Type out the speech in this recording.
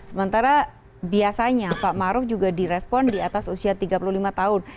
sementara biasanya pak maruf juga direspon di atas usia tiga puluh lima tahun